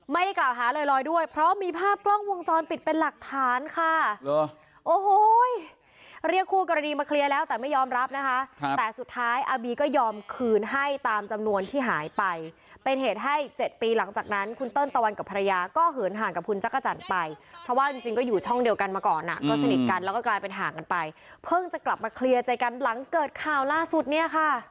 ไม่ได้กล่าวหาเลยรอยด้วยเพราะมีภาพกล้องวงจรปิดเป็นหลักฐานค่ะโอ้โหเรียกคู่กรณีมาเคลียร์แล้วแต่ไม่ยอมรับนะคะแต่สุดท้ายอาบีก็ยอมคืนให้ตามจำนวนที่หายไปเป็นเหตุให้๗ปีหลังจากนั้นคุณต้นตะวันกับภรรยาก็เหินห่างกับคุณจักรจันทร์ไปเพราะว่าจริงก็อยู่ช่องเดียวกันมาก่อนนะก็สนิ